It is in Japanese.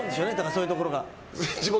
そういうところが。